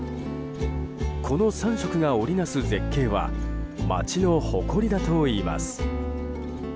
この３色が織りなす絶景は町の誇りだといいます。